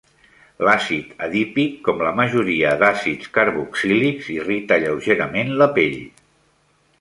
L'àcid adípic, com la majoria d'àcids carboxílics, irrita lleugerament la pell.